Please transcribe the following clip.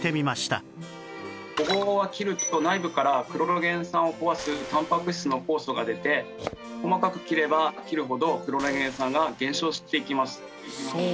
ごぼうは切ると内部からクロロゲン酸を壊すたんぱく質の酵素が出て細かく切れば切るほどクロロゲン酸が減少していきます。